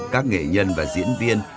các nghệ nhân và diễn viên